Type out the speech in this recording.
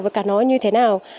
và cả nó như thế nào